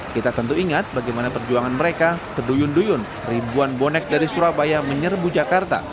kita tentu ingat bagaimana perjuangan mereka keduyun duyun ribuan bonek dari surabaya menyerbu jakarta